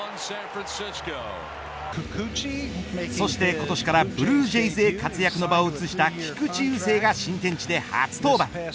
そして今年からブルージェイズへ活躍の場を移した菊池雄星が新天地で初登板。